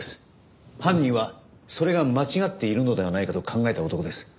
犯人はそれが間違っているのではないかと考えた男です。